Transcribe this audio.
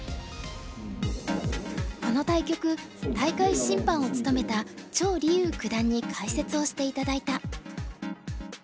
この対局大会審判を務めた張豊九段に解説をして頂いた。